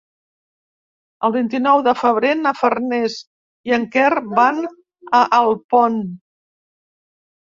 El vint-i-nou de febrer na Farners i en Quer van a Alpont.